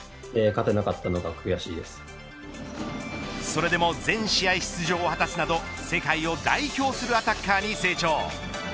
それでも全試合出場を果たすなど世界を代表するアタッカーに成長。